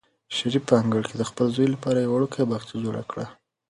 شریف په انګړ کې د خپل زوی لپاره یو وړوکی باغچه جوړه کړه.